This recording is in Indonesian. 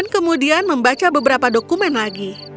kemudian membaca beberapa dokumen lagi